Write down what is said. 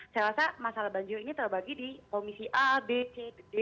saya rasa masalah banjir ini terbagi di komisi a b c d